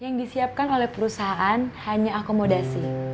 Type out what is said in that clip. yang disiapkan oleh perusahaan hanya akomodasi